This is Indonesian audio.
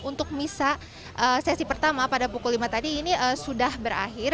untuk misa sesi pertama pada pukul lima tadi ini sudah berakhir